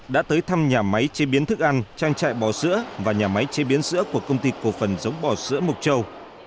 đã tới thăm nhà máy chế biến thức ăn trang trại bò sữa và nhà máy chế biến sữa của công ty cổ phần giống bò sữa mộc châu